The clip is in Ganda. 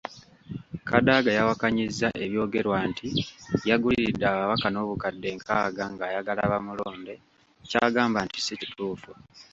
Kadaga yawakanyizza ebyogerwa nti yaguliridde ababaka n'obukadde nkaaga ng'ayagala bamulonde ky'agamba nti si kituufu.